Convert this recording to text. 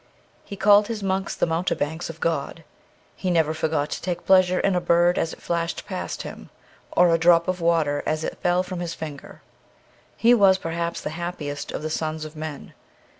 He called his monks the mountebanks of God. He never forgot to take pleasure in a bird as it flashed past him, or a drop of water as it fell from his finger ; he was perhaps the happiest of the sons of men.